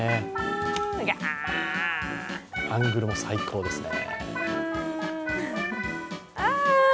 アングルも最高ですね。